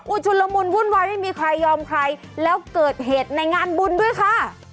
ชุนละมุนวุ่นวายไม่มีใครยอมใครแล้วเกิดเหตุในงานบุญด้วยค่ะ